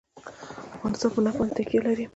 افغانستان په نفت باندې تکیه لري.